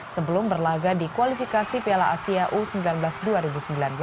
sebelum berlaga di kualifikasi piala asia indonesia